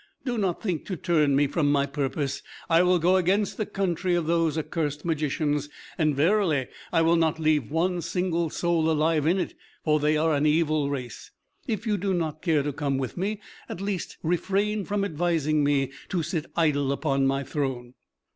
Do not think to turn me from my purpose. I will go against the country of these accursed magicians, and verily I will not leave one single soul alive in it, for they are an evil race. If you do not care to come with me, at least refrain from advising me to sit idle upon my throne."